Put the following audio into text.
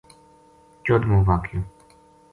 چودھمو واقعو